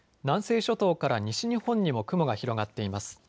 南西諸島から西日本にも雲が広がっています。